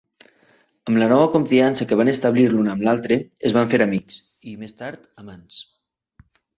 Amb la nova confiança que van establir l'un amb l'altre, es van fer amics i, més tard, amants.